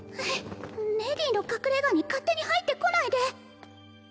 レディーの隠れ家に勝手に入ってこないで